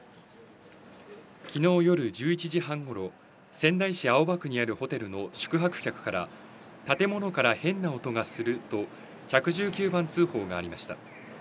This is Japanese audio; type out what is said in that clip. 昨日夜１１時半頃、仙台市青葉区にあるホテルの宿泊客から建物から変な音がすると１１９番通報がありました。